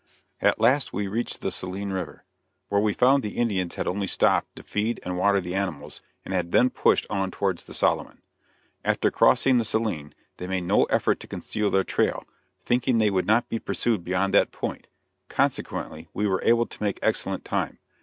At last we reached the Saline river, where we found the Indians had only stopped to feed and water the animals, and had then pushed on towards the Solomon. After crossing the Saline they made no effort to conceal their trail, thinking they would not be pursued beyond that point consequently we were able to make excellent time.